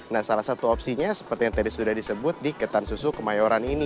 nah salah satu opsinya seperti yang tadi sudah disebut di ketan susu kemayoran ini